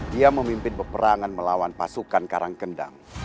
dia memimpin peperangan melawan pasukan karangkendang